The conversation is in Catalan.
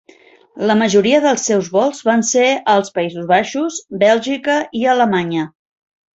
La majoria dels seus vols van ser als Països Baixos, Bèlgica i Alemanya.